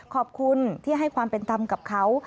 ขอบคุณที่ให้ความเป็นธรรมกับเขา